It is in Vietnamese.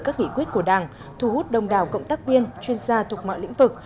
các nghị quyết của đảng thu hút đông đào cộng tác viên chuyên gia thuộc mọi lĩnh vực